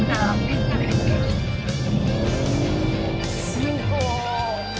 すごい。